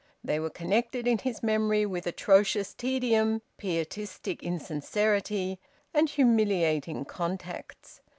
They were connected in his memory with atrocious tedium, pietistic insincerity, and humiliating contacts.